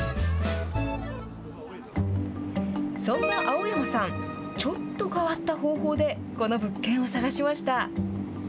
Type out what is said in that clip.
そんな青山さん、ちょっと変わった方法でこの物件を探しました。